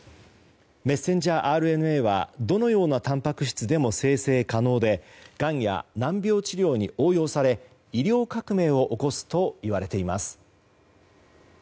メッセンジャーＲＮＡはどのようなたんぱく質でも生成可能で、がんや難病治療に応用され医療革命を起こすといわれています。